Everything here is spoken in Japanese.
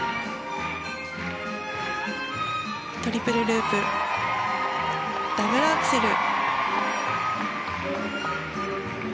トリプルループダブルアクセル。